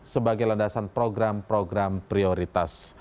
sebagai landasan program program prioritas